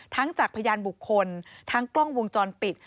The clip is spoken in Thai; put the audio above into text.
จากพยานบุคคลทั้งกล้องวงจรปิด